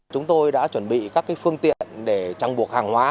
chúng tôi đã chuẩn bị các phương tiện để trang buộc hàng hóa